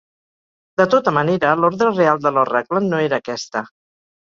De tota manera, l'ordre real de Lord Raglan no era aquesta.